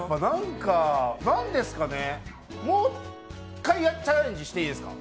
なんですかね、もっかいチャレンジしていいですか。